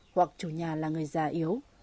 hoặc chủ nhà là người già yếu